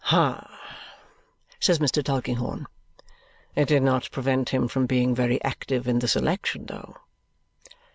"Ha!" says Mr. Tulkinghorn. "It did not prevent him from being very active in this election, though."